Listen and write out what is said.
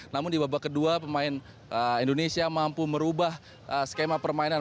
namun di babak kedua pemain indonesia mampu merubah skema permainan